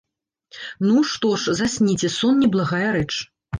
Ну, што ж, засніце, сон не благая рэч.